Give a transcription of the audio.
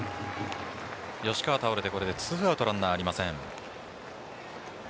吉川倒れて、これで２アウトランナーありません。